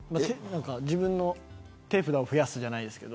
自分の手札を増やすじゃないですけど。